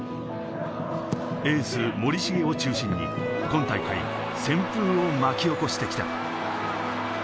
エース・森重を中心に今大会、旋風を巻き起こしてきた。